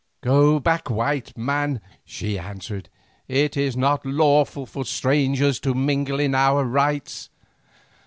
"Go back, white man," she answered; "it is not lawful for strangers to mingle in our rites."